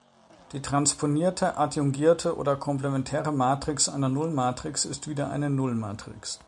Die transponierte, adjungierte oder komplementäre Matrix einer Nullmatrix ist wieder eine Nullmatrix.